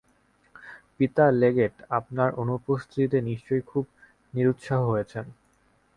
পিতা লেগেট আপনার অনুপস্থিতিতে নিশ্চয়ই খুব নিরুৎসাহ হয়েছেন।